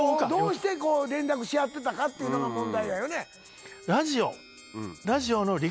どうしてこう連絡し合ってたかっていうのが問題やよね。